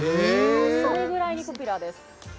それぐらいにポピュラーです。